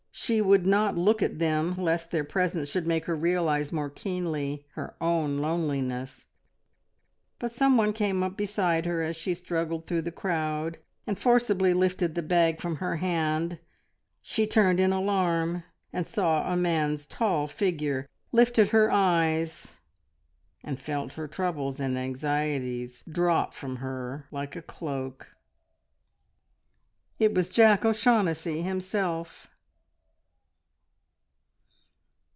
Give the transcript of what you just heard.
She would not look at them lest their presence should make her realise more keenly her own loneliness; but someone came up beside her as she struggled through the crowd, and forcibly lifted the bag from her hand. She turned in alarm and saw a man's tall figure, lifted her eyes, and felt her troubles and anxieties drop from her like a cloak. It was Jack O'Shaughnessy himself!